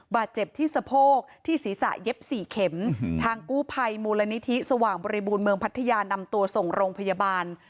บาดเจ็บที่สะโพกที่ศีรษะเย็บสี่เข็มทางกู้ภัยมูลนิธิสว่างบริบูรณ์เมืองพัทยานำตัวส่งโรงพยาบาล